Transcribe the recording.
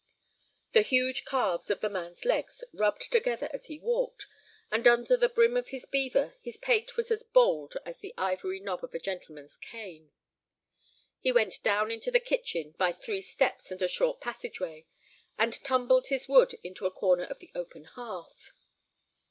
The huge calves of the man's legs rubbed together as he walked, and under the brim of his beaver his pate was as bald as the ivory knob of a gentleman's cane. He went down into the kitchen by three steps and a short passageway, and tumbled his wood into a corner of the open hearth.